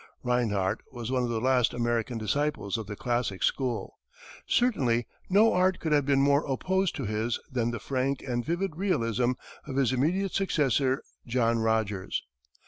Rinehart was one of the last American disciples of the classic school. Certainly no art could have been more opposed to his than the frank and vivid realism of his immediate successor, John Rogers.